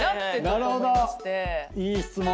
いい質問。